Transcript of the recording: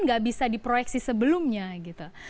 nggak bisa diproyeksi sebelumnya gitu